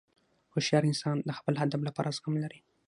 هوښیار انسان د خپل هدف لپاره زغم لري.